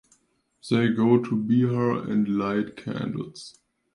They go to Bihar and light candles.